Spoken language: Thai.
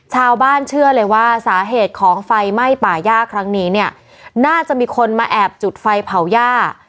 เชื่อเลยว่าสาเหตุของไฟไหม้ป่าย่าครั้งนี้เนี่ยน่าจะมีคนมาแอบจุดไฟเผาหญ้า